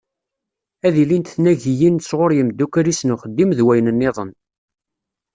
Ad ilint tnagiyin sɣur yimeddukkal-is n uxeddim d wayen-nniḍen.